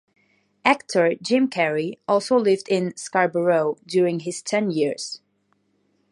Actor Jim Carrey also lived in Scarborough during his teen years.